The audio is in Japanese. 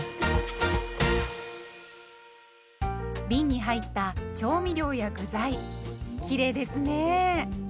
びんに入った調味料や具材きれいですね。